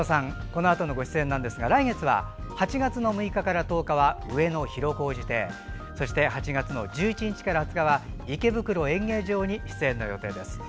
このあとのご出演ですが来月は、８月６日から１０日は上野広小路亭そして８月１１日から２０日は池袋演芸場に出演の予定です。